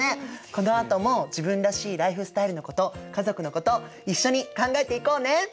このあとも自分らしいライフスタイルのこと家族のこと一緒に考えていこうね。